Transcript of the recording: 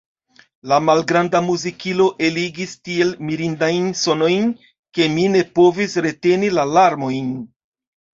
La malgranda muzikilo eligis tiel mirindajn sonojn, ke mi ne povis reteni la larmojn.